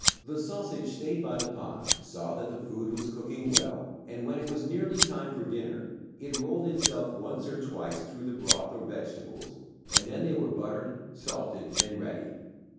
The sausage stayed by the pot, saw that the food was cooking well, and, when it was nearly time for dinner, it rolled itself once or twice through the broth or vegetables and then they were buttered, salted, and ready.